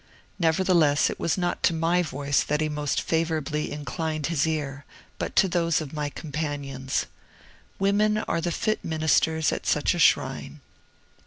Nevertheless, it was not to my voice that he most favorably inclined his ear, but to those of my companions. Women are the fit ministers at such a shrine.